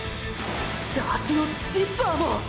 ジャージのジッパーも！！